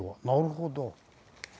なるほど。